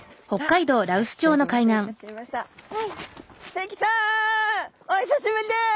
関さんお久しぶりです。